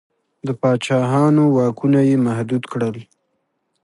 د پاچاهانو واکونه یې محدود کړل.